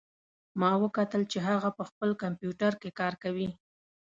ما وکتل چې هغه په خپل کمپیوټر کې کار کوي